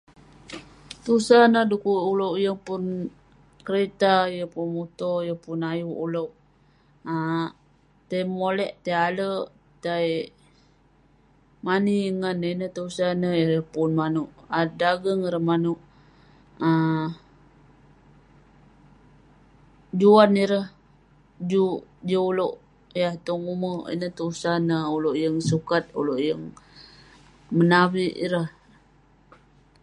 Tusah neh dekuk ulouk yeng pun kerita, yeng pun muto, yeng pun ayuk ulouk um tai molek, tai ale'erk, tai mani ngan. Ineh tusah neh ireh pun manouk adui dageng, ireh manouk um juan ireh juk jin ulouk yah tong ume'. Ineh tusah neh ulouk yeng sukat, ulouk yeng menavik ireh.